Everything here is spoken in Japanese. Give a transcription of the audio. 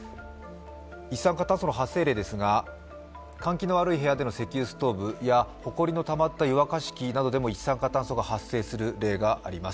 一酸化炭素の発生例ですが換気の悪い部屋での石油ストーブやほこりのたまった湯沸器でも一酸化炭素が発生する例があります。